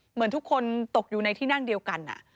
เหมือนทุกคนตกอยู่ในที่นั่งเดียวกัน